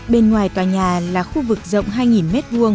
bên ngoài tòa nhà là khu vực rộng hai m hai